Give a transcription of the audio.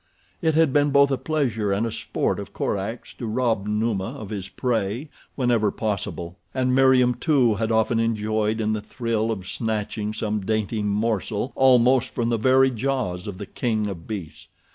It had been both a pleasure and a sport of Korak's to rob Numa of his prey whenever possible, and Meriem too had often joyed in the thrill of snatching some dainty morsel almost from the very jaws of the king of beasts.